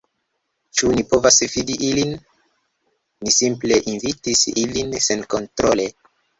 Ĉu ni povas fidi ilin? Ni simple invitis ilin senkontrole